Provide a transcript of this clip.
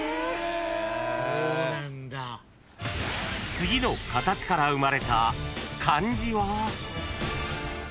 ［次の形から生まれた漢字は？］